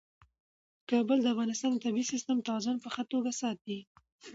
کابل د افغانستان د طبعي سیسټم توازن په ښه توګه ساتي.